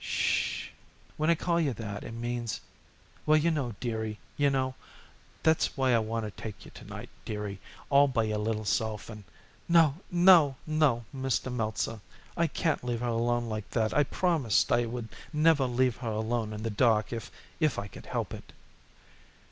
'"Shh h h!" "When I call you that it means well, you know, dearie, you know. That's why I wanna take you to night, dearie, all by your little self and " "No, no, Mr. Meltzer! I can't leave her alone like that. I promised I would never leave her alone in the dark if if I could help it."